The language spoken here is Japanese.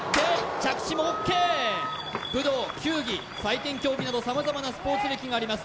武道球技採点競技など様々なスポーツ歴があります